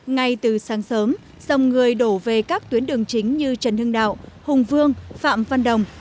ngay từ sáng sớm dòng người đổ về các tuyến đường chính như trần hưng đạo hùng vương phạm văn đồng